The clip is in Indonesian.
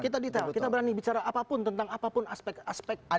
kita detail kita berani bicara apapun tentang apapun aspek aspek